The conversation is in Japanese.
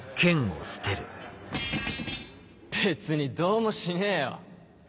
別にどうもしねえよ。